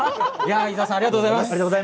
井澤さんありがとうございます。